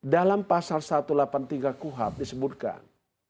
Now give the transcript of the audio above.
dalam pasal satu ratus delapan puluh tiga kuhab disebutkan